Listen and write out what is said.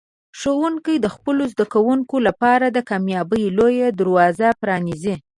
ښوونکي د خپلو زده کوونکو لپاره د کامیابۍ لوی دروازه پرانیزي.